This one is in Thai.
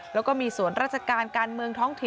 แล้วก็มีส่วนราชการการเมืองท้องถิ่น